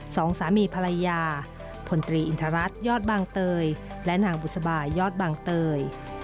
สองสามีภรรยาพลตรีอินทรัศนยอดบางเตยและนางบุษบายยอดบางเตย